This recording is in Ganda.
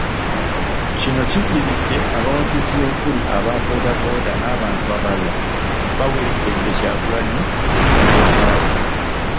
Kino kiddiridde abawagizi okuli aba boodabooda n'abantu abalala bawerekedde Kyagulanyi okuva ewaka we.